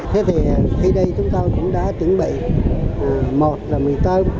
thế thì khi đây chúng tôi cũng đã chuẩn bị một là mì tôm